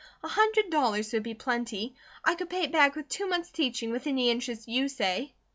A hundred dollars would be plenty. I could pay it back with two months' teaching, with any interest you say."